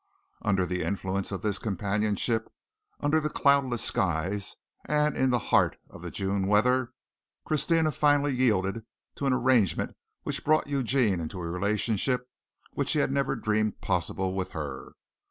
Under the influence of this companionship, under cloudless skies and in the heart of the June weather, Christina finally yielded to an arrangement which brought Eugene into a relationship which he had never dreamed possible with her.